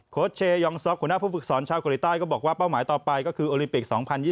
โคชเชยองซ็อกคุณภูมิฝึกศรชาวกริต้ายก็บอกว่าเป้าหมายต่อไปก็คือโอลิมปิก๒๐๒๐